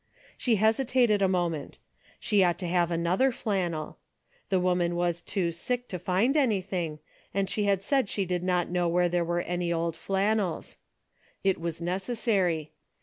She hesitated a mo ment. She ought to have another flannel. The woman was too sick to find anything, and she had said she did not know where there were any old flannels. It was necessary.